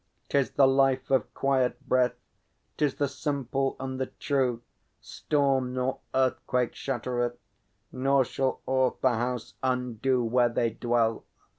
'Tis the life of quiet breath, 'Tis the simple and the true, Storm nor earthquake shattereth, Nor shall aught the house undo Where they dwell.